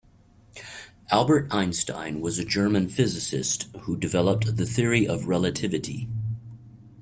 Albert Einstein was a German physicist who developed the Theory of Relativity.